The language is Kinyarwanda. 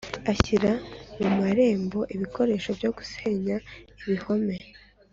ashyire mu marembo ibikoresho byo gusenya ibihome